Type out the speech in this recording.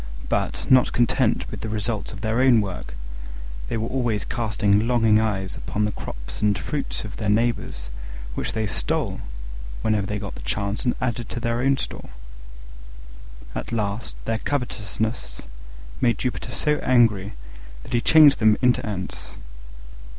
But, not content with the results of their own work, they were always casting longing eyes upon the crops and fruits of their neighbours, which they stole, whenever they got the chance, and added to their own store. At last their covetousness made Jupiter so angry that he changed them into Ants.